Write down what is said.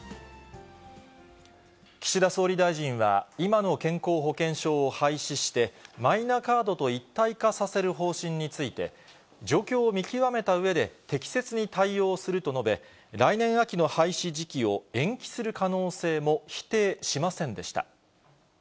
岸田総理大臣は、今の健康保険証を廃止して、マイナカードと一体化させる方針について、状況を見極めたうえで、適切に対応すると述べ、来年秋の廃止時期を延期する可能性も否定しませんでした。